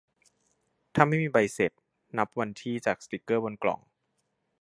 ถ้าไม่มีใบเสร็จ นับวันที่จากสติ๊กเกอร์บนกล่อง